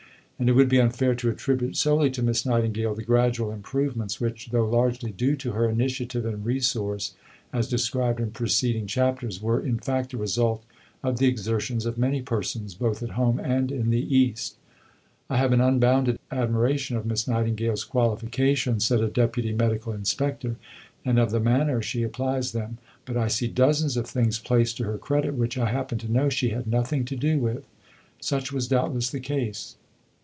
And it would be unfair to attribute solely to Miss Nightingale the gradual improvements which, though largely due to her initiative and resource (as described in preceding chapters), were in fact the result of the exertions of many persons both at home and in the East. "I have an unbounded admiration of Miss Nightingale's qualifications," said a deputy medical inspector, "and of the manner she applies them, but I see dozens of things placed to her credit which I happen to know she had nothing to do with." Such was doubtless the case.